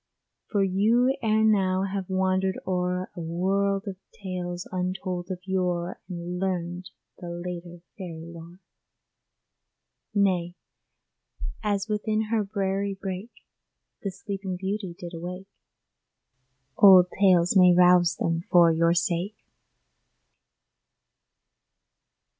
For you ere now have wandered o'er A world of tales untold of yore, And learned the later fairy lore! Nay, as within her briery brake, The Sleeping Beauty did awake, Old tales may rouse them for your sake.